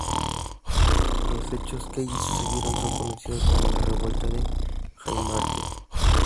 Los hechos que allí sucedieron son conocidos como la revuelta de Haymarket.